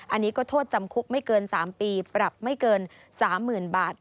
อันนี้ก็โทษจำคุกไม่เกิน๓ปีปรับไม่เกิน๓๐๐๐๐บาท